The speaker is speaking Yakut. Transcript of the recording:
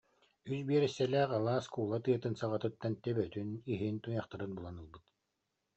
үс биэрэстэлээх алаас куула тыатын саҕатыттан төбөтүн, иһин, туйахтарын булан ылбыт